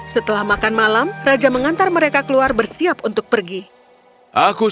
setelah makan malam raja mengantar mereka keluar bersiap untuk pergi